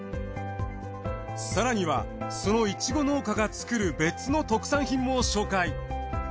更にはそのイチゴ農家が作る別の特産品も紹介。